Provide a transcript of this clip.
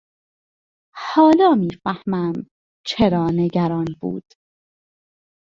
حالا میفهمم چرا نگران بود.